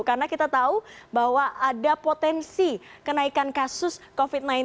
karena kita tahu bahwa ada potensi kenaikan kasus covid sembilan belas